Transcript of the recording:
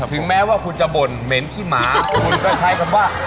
ถึงแม้ว่าคุณจะบ่นเหม็นขี้หมาคุณก็ใช้คำว่า